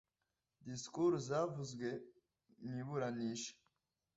disikuru zavuzwe mu iburanisha